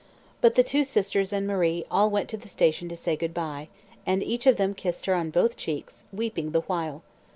But the two sisters and Marie all went to the station to say good bye, and each of them kissed her on both cheeks, weeping the while.